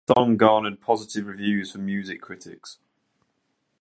The song garnered positive reviews from music critics.